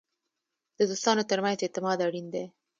د دوستانو ترمنځ اعتماد اړین دی.